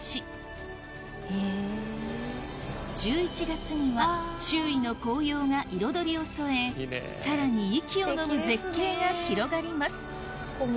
１１月には周囲の紅葉が彩りを添えさらに息をのむ絶景が広がります